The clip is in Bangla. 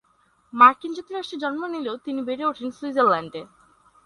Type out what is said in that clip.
মার্কিন যুক্তরাষ্ট্রে জন্ম নিলেও তিনি বেড়ে ওঠেন সুইজারল্যান্ডে।